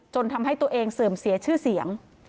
ทำให้ตัวเองเสื่อมเสียชื่อเสียง